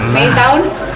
konfirmasi pinter langsung